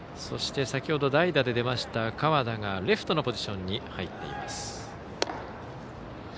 そして、先ほど代打で出ました河田がレフトのポジションに入っています。